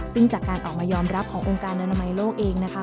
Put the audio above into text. ซึ่งจากการออกมายอมรับขององค์การอนามัยโลกเองนะคะ